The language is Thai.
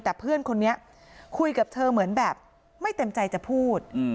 แต่เพื่อนคนนี้คุยกับเธอเหมือนแบบไม่เต็มใจจะพูด